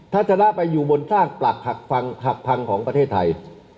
ถ้าชะละไปอยู่บนสร้างปลักหักพังของประเทศไทย